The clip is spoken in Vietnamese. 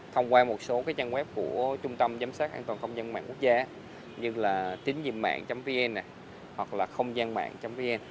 thông qua một số trang web của trung tâm giám sát an toàn không gian mạng quốc gia như là tín nhiệm mạng vn hoặc là không gian mạng vn